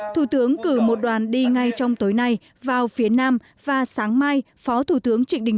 thủ tướng cử một đoàn đi ngay trong tối nay vào phía nam và sáng mai phó thủ tướng trịnh đình dũng